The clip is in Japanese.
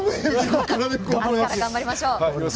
あすからも頑張りましょう。